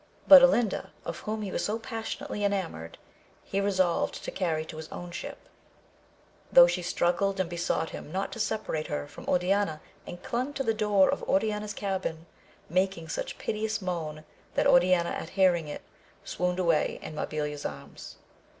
But Olinda, of whom he was so passionately enamoured, he resolved to carry to his own ship, though she struggled and besought him not to separate her from Oriana, and clung to the door of Oriana's cabin, making such piteous moan that Oriana at hear ing it, swooned away in Mabilia's anns.